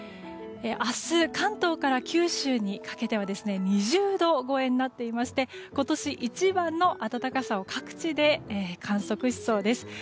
明日、関東から九州にかけては２０度超えになっていまして今年一番の暖かさを各地で観測しそうです。